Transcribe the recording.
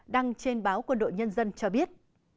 đăng trên báo quân đội nhân dân cho biết